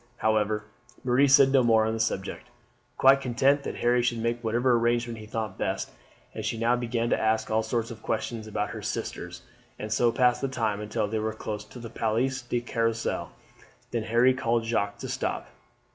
However, Marie said no more on the subject, quite content that Harry should make whatever arrangements he thought best, and she now began to ask all sorts of questions about her sisters, and so passed the time until they were close to the Place de Carrousel; then Harry called Jacques to stop.